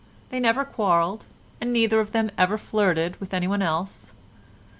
They never quarrelled, and neither of them ever flirted with anyone else.